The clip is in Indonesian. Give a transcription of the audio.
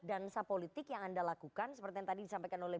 dansa politik yang anda lakukan seperti yang tadi disampaikan oleh